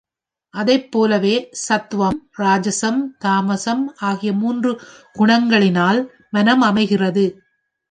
அதைப் போலவே சத்துவம், ராஜஸம், தாமஸம் ஆகிய மூன்று குணங்களினால் மனம் அமைகிறது.